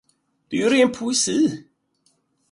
Det är ju ren poesi!